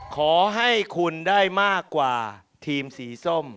ขอให้คุณได้มากกว่าทีมสีส้ม